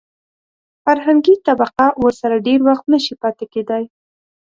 فرهنګي طبقه ورسره ډېر وخت نشي پاتې کېدای.